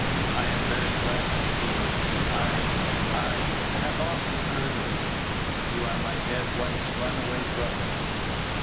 "I am very glad to see you. I I have often heard of you. You are my dead wife's runaway brother."